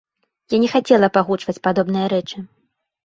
Я не хацела б агучваць падобныя рэчы.